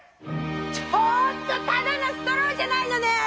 ちょっとただのストローじゃないの！